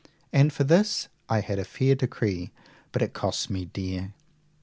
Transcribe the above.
And for this I had a fair decree, but it cost me dear.